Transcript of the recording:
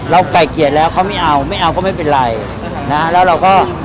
ไก่เกลียดแล้วเขาไม่เอาไม่เอาก็ไม่เป็นไรนะฮะแล้วเราก็